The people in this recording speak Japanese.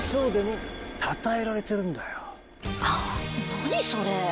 何それ。